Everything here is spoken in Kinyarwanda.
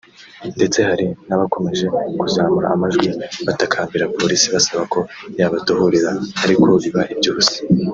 ndetse hari n’abakomeje kuzamura amajwi batakambira Polisi basaba ko yabadohorera ariko biba iby’ubusa